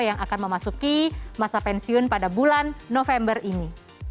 yang akan memasuki masa pensiun pada bulan november ini